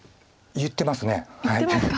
言ってますか。